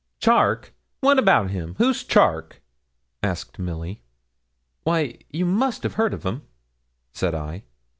'Charke! what about him? who's Charke?' asked Milly. 'Why, you must have heard of him,' said I.